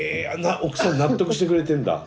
奥さん納得してくれてるんだ。